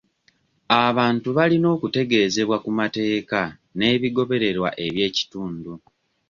Abantu balina okutegeezebwa ku mateeka nebigobererwa eby'ekitundu.